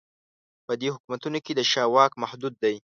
په دې حکومتونو کې د شاه واک محدود دی.